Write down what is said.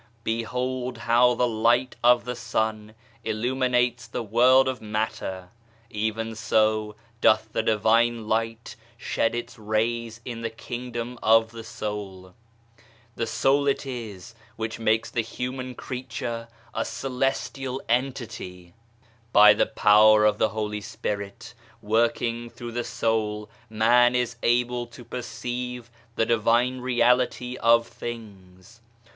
Behold how the light of the sun illuminates the world of matter : even so doth the Divine Light shed its rays in the king dom of the soul. The soul it is which makes the human creature a celestial entity 1 By the power of the Holy Spirit, working through his soul, man is able to perceive the Divine Reality of things.